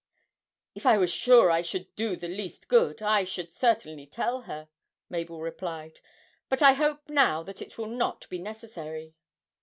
'If I was sure I should do the least good, I should certainly tell her,' Mabel replied; 'but I hope now that it will not be necessary.'